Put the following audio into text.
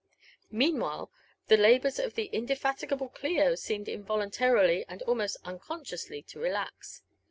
Meanwhile the labours of the indefatigable Clio seemed involuntarily and almost unconsciously to relax.